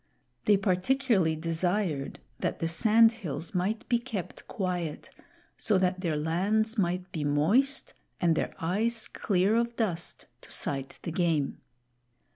They particularly desired that the sand hills might be kept quiet, so that their lands might be moist and their eyes clear of dust to sight the game.